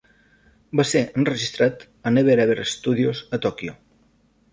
Va ser enregistrat a Never Ever Studios a Tòquio.